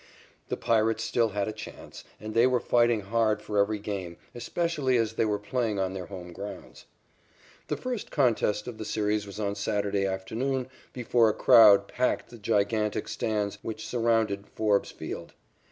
The Pirates still had a chance, and they were fighting hard for every game, especially as they were playing on their home grounds. The first contest of the series was on Saturday afternoon before a crowd that packed the gigantic stands which surrounded Forbes Field.